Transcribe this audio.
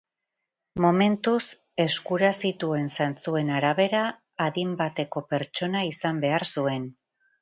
Momentuz, eskura zituen zantzuen arabera, adin bateko pertsona izan behar zuen.